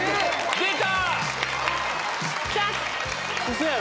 出た！